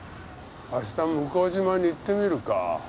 明日向島に行ってみるか。